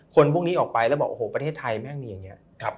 คนพวกนี้ออกไปแล้วบอกโอ้โหประเทศไทยแม่งมีอย่างนี้